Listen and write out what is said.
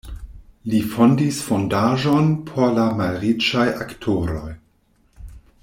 Li fondis fondaĵon por la malriĉaj aktoroj.